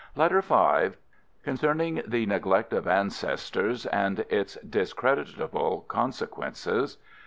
LETTER V Concerning the neglect of ancestors and its discreditable consequences.